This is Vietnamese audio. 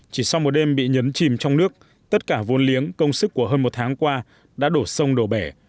chỉ sau một đêm bị nhấn chìm trong nước tất cả vôn liếng công sức của hơn một tháng qua đã đổ sông đổ bể